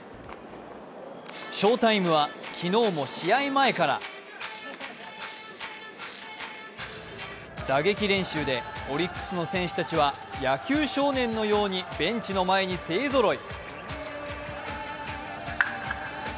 翔タイムは昨日も試合前から打撃練習でオリックスの選手たちは野球少年のようにベンチの前に勢ぞろい。